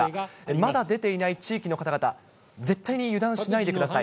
まだ出ていない地域の方々、絶対に油断しないでください。